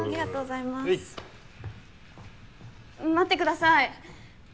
待ってください。